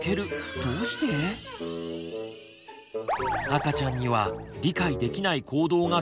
赤ちゃんには理解できない行動がたっくさん！